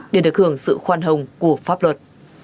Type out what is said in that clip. để được hưởng sự khoan hồng của pháp luật